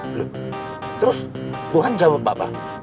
belum terus tuhan jawab pak pak